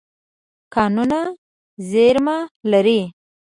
کانونه زیرمه لري.